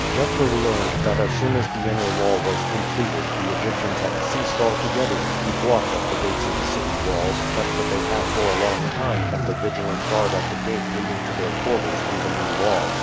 Jethro learned that as soon as the inner wall was completed the Egyptians had ceased altogether to keep watch at the gates of the city walls, but that they had for a long time kept a vigilant guard at the gate leading to their quarters through the new wall.